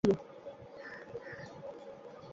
তারা কখনই জানবে না যে তারা সবকিছু হারানোর কত কাছে এসেছিল।